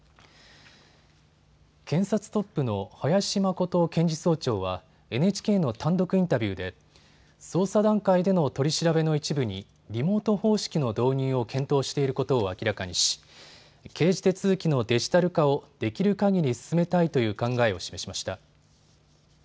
検察トップの林眞琴検事総長はＮＨＫの単独インタビューで捜査段階での取り調べの一部にリモート方式の導入を検討していることを明らかにし刑事手続きのデジタル化をできるかぎり進めたいという考えを示しました。